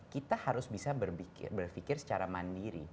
kita harus bisa berpikir secara mandiri